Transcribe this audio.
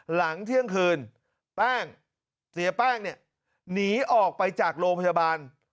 หลังเที่ยงคืนแป้งเสียแป้งเนี่ยหนีออกไปจากโรงพยาบาล